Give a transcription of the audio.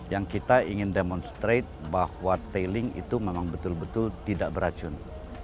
yang kita ingin demonstrasi bahwa tailing itu memang betul betul tidak beracun